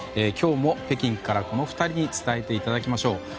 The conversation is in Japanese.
今日も北京から、この２人に伝えていただきましょう。